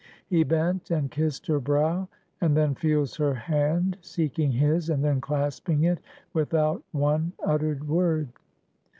He bent and kissed her brow; and then feels her hand seeking his, and then clasping it without one uttered word.